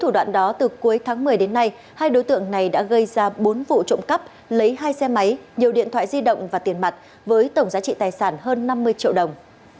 đã gây ra bốn vụ trộm cắp lấy hai xe máy nhiều điện thoại di động và tiền mặt với tổng giá trị tài sản hơn năm mươi triệu đồng